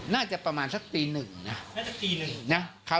น่าจะประมาณสักตีหนึ่งน่ะน่าจะตีหนึ่งนะ